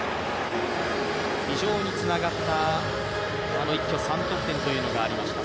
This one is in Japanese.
非常につながった一挙３得点というのがありました。